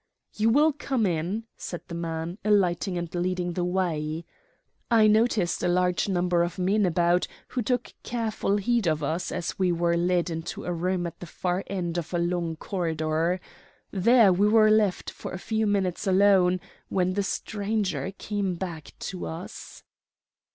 "'You will come in,' said the man, alighting and leading the way. I noticed a large number of men about, who took careful heed of us, as we were led into a room at the far end of a long corridor. There we were left for a few minutes alone, when the stranger came back to us.